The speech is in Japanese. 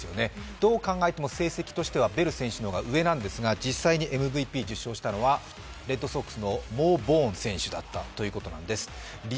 どう考えても成績としてはベル選手の方が上なんですが実際にＭＶＰを受賞したのはレッドソックスのモー・ボーン選手。